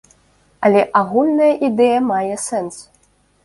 Але агульная ідэя мае сэнс.